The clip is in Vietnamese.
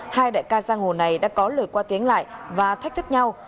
hai đại ca giang hồ này đã có lời qua tiếng lại và thách thức nhau